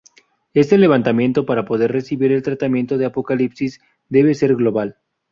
Este levantamiento, para poder recibir el tratamiento de apocalipsis, debe de ser global.